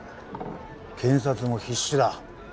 検察も必死だ。